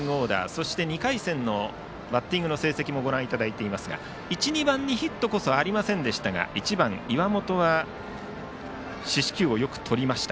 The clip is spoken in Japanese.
そして２回戦のバッティングの成績をご覧いただいていますが１、２番にヒットこそありませんでしたが１番、岩本は四死球をよくとりました。